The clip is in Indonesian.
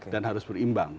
dan harus berimbang